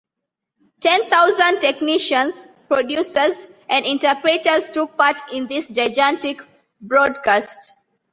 Ten thousand technicians, producers, and interpreters took part in this gigantic broadcast.